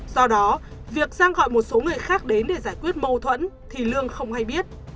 do đó việc giang gọi một số người khác đến để giải quyết mâu thuẫn thì lương không hay biết